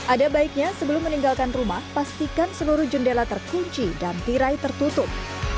ada baiknya sebelum meninggalkan rumah pastikan seluruh jendela terkunci dan tirai tertutup